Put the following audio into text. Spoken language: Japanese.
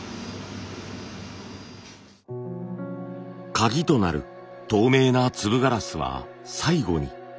カギとなる透明な粒ガラスは最後に。